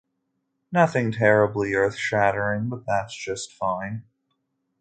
Nothing terribly earth-shattering, but that's just fine.